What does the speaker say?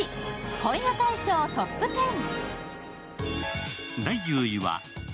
本屋大賞トップ１０。